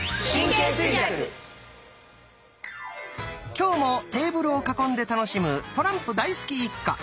今日もテーブルを囲んで楽しむトランプ大好き一家。